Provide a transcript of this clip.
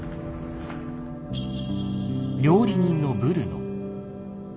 料理人のブルノ。